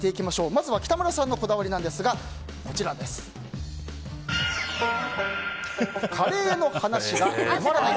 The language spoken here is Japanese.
まずは北村さんのこだわりですがカレーの話が止まらない。